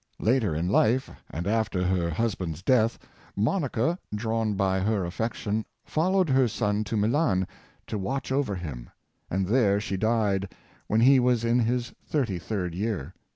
Later in life, and after her husband's death, Monica, drawnby her affection, followed her son to Milan to watch over him, and there she died, when he was in his thir ty third year.